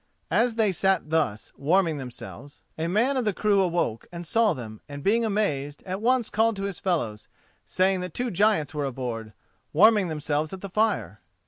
As they sat thus warming themselves, a man of the crew awoke and saw them, and being amazed, at once called to his fellows, saying that two giants were aboard, warming themselves at the fire.